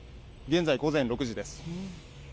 現在午前６時です。